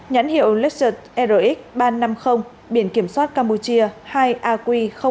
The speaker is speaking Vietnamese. nhắn hiệu lexus rx ba trăm năm mươi biển kiểm soát campuchia hai aq sáu trăm ba mươi chín